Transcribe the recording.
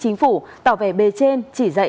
chính phủ tỏ vẻ bề trên chỉ dạy